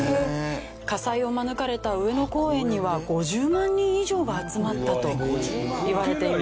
火災を免れた上野公園には５０万人以上が集まったといわれています。